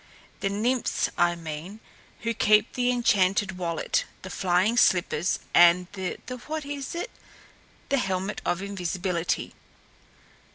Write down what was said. The Nymphs, I mean, who keep the enchanted wallet, the flying slippers and the what is it? the helmet of invisibility."